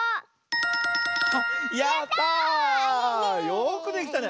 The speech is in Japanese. よくできたね。